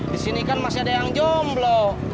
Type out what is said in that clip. di sini kan masih ada yang jomblo